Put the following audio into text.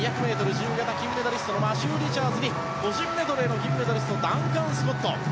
自由形金メダリストのマシュー・リチャーズに個人メドレーの銀メダリストダンカン・スコット。